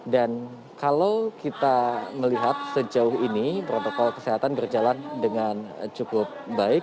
dan kalau kita melihat sejauh ini protokol kesehatan berjalan dengan cukup baik